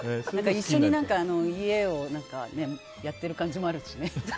一緒に家をやってる感じがあるしね。